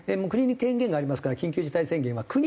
国に権限がありますから緊急事態宣言は。